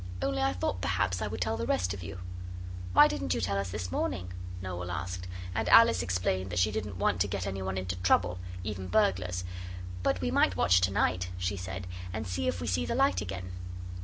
Only I thought perhaps I would tell the rest of you.' 'Why didn't you tell us this morning?' Noel asked. And Alice explained that she did not want to get any one into trouble, even burglars. 'But we might watch to night,' she said, 'and see if we see the light again.